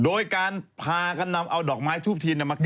โดยการพากันนำเอาดอกไม้ทูบทีนั้นมากราบไหว้